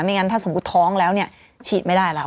งั้นถ้าสมมุติท้องแล้วเนี่ยฉีดไม่ได้แล้ว